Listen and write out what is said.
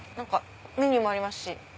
メニューもありますし。